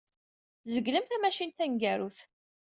Tzeglem tamacint taneggarut.